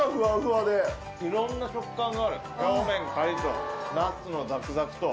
いろんな食感がある表面カリっとナッツのザクザクと。